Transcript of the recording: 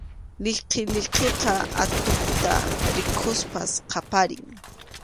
Liqiliqiqa atuqta rikuspas qaparin.